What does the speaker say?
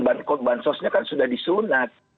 dan bansosnya kan sudah disunat